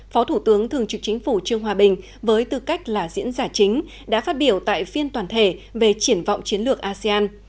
phó thủ tướng thường trực chính phủ trương hòa bình với tư cách là diễn giả chính đã phát biểu tại phiên toàn thể về triển vọng chiến lược asean